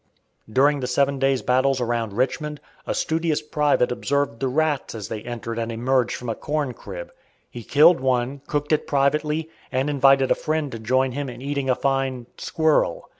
During the seven days' battles around Richmond, a studious private observed the rats as they entered and emerged from a corn crib. He killed one, cooked it privately, and invited a friend to join him in eating a fine squirrel.